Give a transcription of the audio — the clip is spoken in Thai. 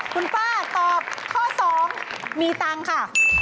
คุณป้าตอบข้อ๒มีตังค์ค่ะ